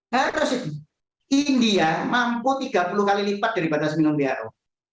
harus india mampu tiga puluh kali lipat dari batas minim who